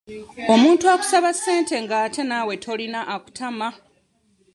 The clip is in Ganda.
Omuntu akusaba ssente ate nga naawe tolina akutama.